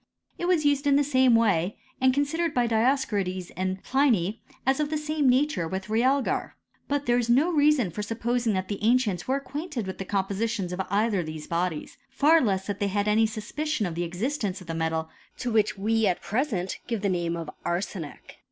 It was used in the same way, and considered by Dioscorides and Pliny as of the same nature with realgar. But there is no reason for supposing that the ancients were ac quainted with the compositions of either of these bodies ; far less that they had any suspicion of the existence of the metal to which we at present give the * name of arsenic.